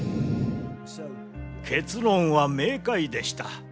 結論は明快でした。